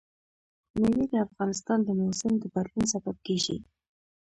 مېوې د افغانستان د موسم د بدلون سبب کېږي.